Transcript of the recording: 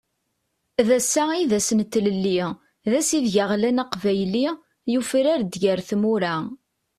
D ass-a i d ass n tlelli, d ass ideg aɣlan aqbayli, yufrar-d ger tmura.